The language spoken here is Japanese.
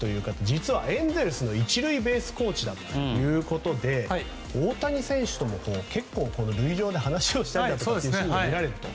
実はエンゼルスの１塁ベースコーチだということで大谷選手とも塁上で話をしているというシーンも見られると。